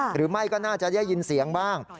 หรือไม่ก็น่าจะได้ยินเสียงบ้าง